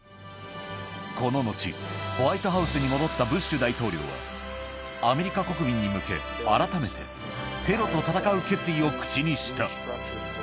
この後、ホワイトハウスに戻ったブッシュ大統領は、アメリカ国民に向け、改めて、テロと戦う決意を口にした。